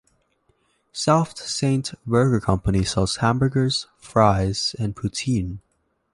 South Saint Burger Company sells hamburgers, fries and poutine.